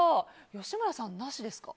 吉村さん、なしですか？